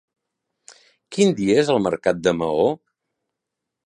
Quin dia és el mercat de Maó?